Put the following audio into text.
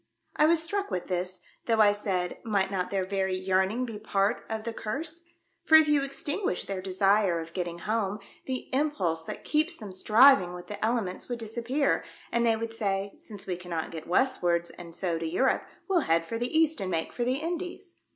I was struck with this, though I said, "Might not their very yearning be a part of the Curse ? For if you extinguish their desire of getting home, the impulse that keeps them striving with the elements would disappear, and they would say, ' Since we cannot get westwards and so to Europe, we'll head for the east and make for the Indies